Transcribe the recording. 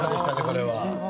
これは。